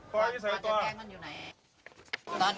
ขอตอบนี้เลยต่อ